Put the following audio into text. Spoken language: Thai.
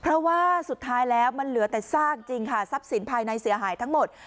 เพราะว่าสุดท้ายแล้วมันเหลือแต่ซากจริงค่ะทรัพย์สินภายในเสียหายทั้งหมด